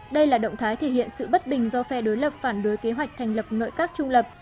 đây là động thái thể hiện sự bất bình do phe đối lập phản đối kế hoạch thành lập nội các trung lập